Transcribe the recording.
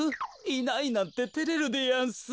いないなんててれるでやんす。